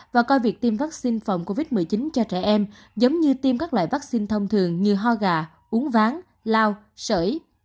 và coi việc tiêm vaccine phòng covid một mươi chín cho trẻ em giống như tiêm các loại vaccine thông thường như ho gà uống ván lao sợi